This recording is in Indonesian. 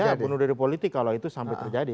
ya bunuh diri politik kalau itu sampai terjadi